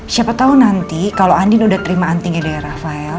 siapa tau nanti kalau anting udah terima antingnya dari rafael